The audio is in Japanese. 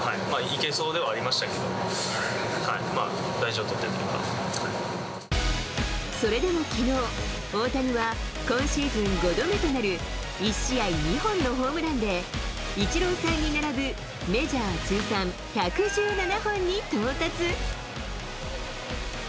いけそうではありましたけど、それでもきのう、大谷は今シーズン５度目となる１試合２本のホームランで、イチローさんに並ぶメジャー通算１１７本に到達。